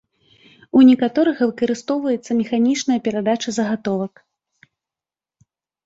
У некаторых выкарыстоўваецца механічная перадача загатовак.